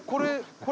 これ。